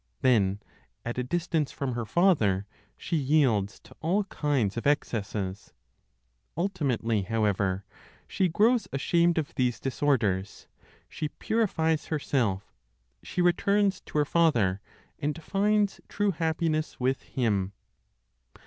Then, at a distance from her father, she yields to all kinds of excesses. Ultimately, however, she grows ashamed of these disorders; she purifies herself, she returns to her father, and finds true happiness with Him.